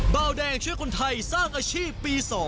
เบาแดงช่วยคนไทยสร้างอาชีพปี๒